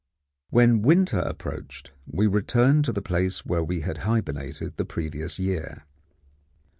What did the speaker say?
When winter approached, we returned to the place where we had hibernated the previous year.